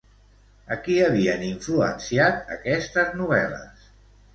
A qui havien influenciat aquestes novel·les?